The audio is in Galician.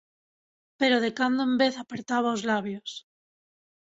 Pero de cando en vez apertaba os labios.